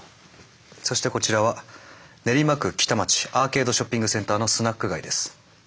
そしてこちらは練馬区北町アーケードショッピングセンターのスナック街です。